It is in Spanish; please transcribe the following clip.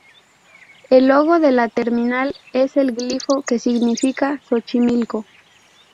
El logo de la terminal es el glifo que significa "Xochimilco".